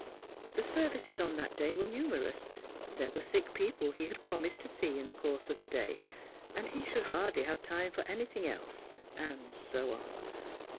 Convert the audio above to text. The services on that day were numerous; there were sick people he had promised to see in the course of the day, and he should hardly have time for anything else, and so on.